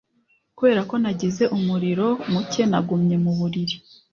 Kubera ko nagize umuriro muke, nagumye mu buriri.